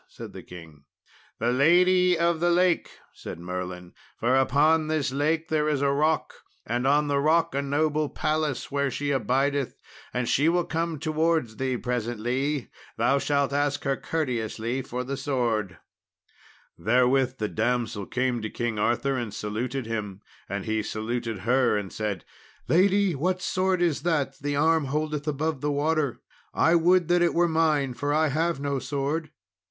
said the king. "The lady of the lake," said Merlin; "for upon this lake there is a rock, and on the rock a noble palace, where she abideth, and she will come towards thee presently, thou shalt ask her courteously for the sword." [Illustration: The lady of the lake.] Therewith the damsel came to King Arthur, and saluted him, and he saluted her, and said, "Lady, what sword is that the arm holdeth above the water? I would that it were mine, for I have no sword."